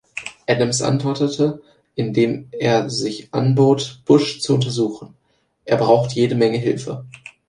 Adams antwortete, indem er sich anbot, Bush zu untersuchen: „Er braucht jede Menge Hilfe.